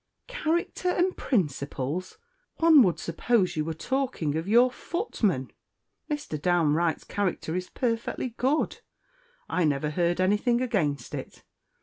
"Character and principles! one would suppose you were talking of your footman! Mr. Downe Wright's character is perfectly good. I never heard anything against it.